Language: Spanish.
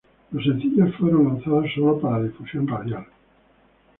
Los sencillos fueron lanzados sólo para difusión radial